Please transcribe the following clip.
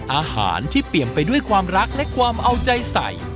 อาหารที่เปลี่ยนไปด้วยความรักและความเอาใจใส่